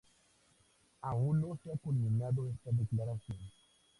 Aún no se ha culminado esta declaración.